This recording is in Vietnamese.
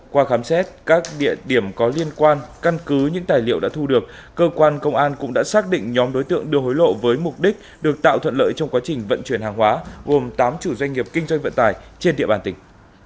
qua khám xét các địa điểm có liên quan căn cứ những tài liệu đã thu được cơ quan công an cũng đã xác định nhóm đối tượng đưa hối lộ với mục đích được tạo thuận lợi trong quá trình vận chuyển hàng hóa gồm tám chủ doanh nghiệp kinh doanh vận tải trên địa bàn tỉnh